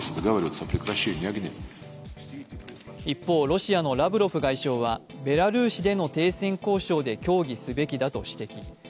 一方、ロシアのラブロフ外相はベラルーシでの停戦交渉で協議すべきだと指摘。